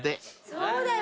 そうだよ